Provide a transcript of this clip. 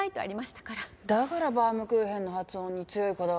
だからバウムクーヘンの発音に強いこだわりを感じたのか。